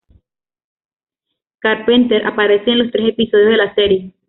Carpenter aparece en los tres episodios de la serie.